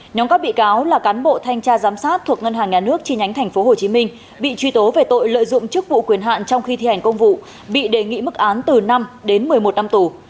nhóm các bị cáo là cán bộ thanh tra giám sát thuộc ngân hàng nhà nước chi nhánh tp hcm bị truy tố về tội lợi dụng chức vụ quyền hạn trong khi thi hành công vụ bị đề nghị mức án từ năm đến một mươi một năm tù